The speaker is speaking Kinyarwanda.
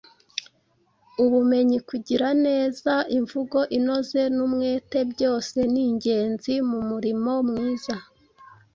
ubumenyi, kugira neza, imvugo inoze n’umwete byose ni ingezi mu murimo mwiza;